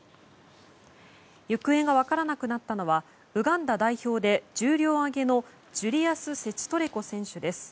行方が分からなくなったのはウガンダ代表で重量挙げのジュリアス・セチトレコ選手です。